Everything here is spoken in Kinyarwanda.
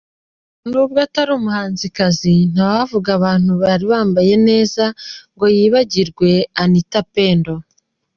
N’ubwo atari umuhanzikazi, ntawavuga abantu bari bambaye neza ngo yibagirwe Anita Pendo.